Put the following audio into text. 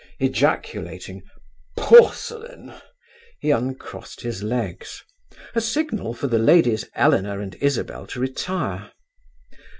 Ejaculating "Porcelain!" he uncrossed his legs; a signal for the ladies Eleanor and Isabel to retire.